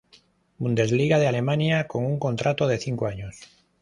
Bundesliga de Alemania con un contrato de cinco años.